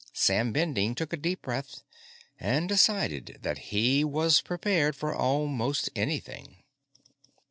Sam Bending took a deep breath and decided that he was prepared for almost anything.